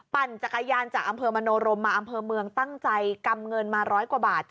ปั่นจักรยานจากอำเภอมโนรมมาอำเภอเมืองตั้งใจกำเงินมาร้อยกว่าบาท